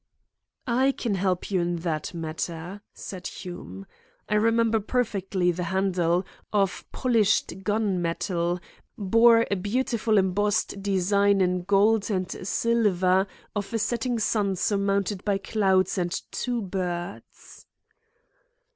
"I can help you in that matter," said Hume. "I remember perfectly that the handle, of polished gun metal, bore a beautiful embossed design in gold and silver of a setting sun surmounted by clouds and two birds."